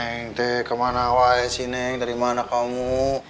ah si neng kemana woy si neng dari mana kamu